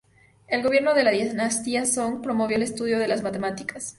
El gobierno de la dinastía Song promovió el estudio de las matemáticas.